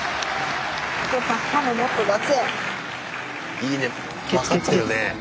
いいね分かってるね。